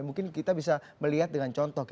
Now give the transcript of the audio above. mungkin kita bisa melihat dengan contoh